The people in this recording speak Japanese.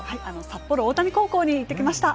札幌大谷高校に行ってきました。